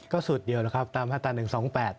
ก็สูตรเดียวแล้วครับตามมาตรา๑๒๘